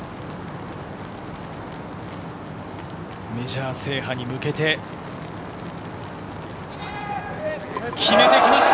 メジャー制覇に向けて、決めてきました！